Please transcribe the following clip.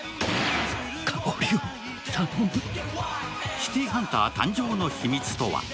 シティーハンター誕生の秘密とは？